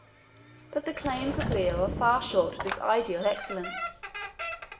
But the claims of Leo are far short of this ideal excellence.